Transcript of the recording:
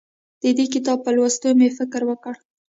د دې کتاب په لوستو مې فکر وکړ.